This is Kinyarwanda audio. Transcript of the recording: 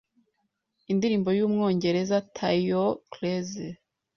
indirimbo y’umwongereza Taio Cruz,